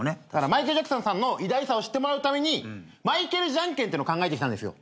マイケル・ジャクソンさんの偉大さを知ってもらうためにマイケルじゃんけんっての考えてきたんですよ。